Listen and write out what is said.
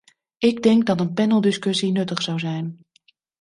Ik denk dat een paneldiscussie nuttig zou zijn.